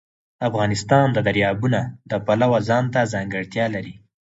افغانستان د دریابونه د پلوه ځانته ځانګړتیا لري.